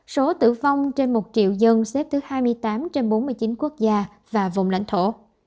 số tử vong trên một triệu dân xếp thứ hai mươi tám trên bốn mươi chín quốc gia và vùng lãnh thổ